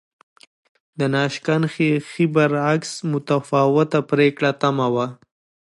د ناشکن ښیښې برعکس متفاوته پرېکړه تمه وه